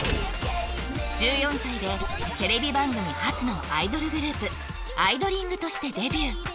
１４歳でテレビ番組発のアイドルグループアイドリング！！！としてデビュー